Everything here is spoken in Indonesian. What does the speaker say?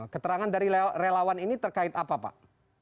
keterangan dari relawan ini terkait apa pak